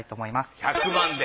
１００万で。